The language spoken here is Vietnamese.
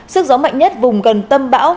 sức gió mạnh nhất vùng gần tâm bão